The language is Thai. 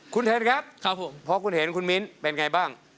คุณเทนครับผมพอคุณเห็นคุณมิ้นเป็นไงบ้าง